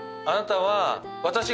あなたは。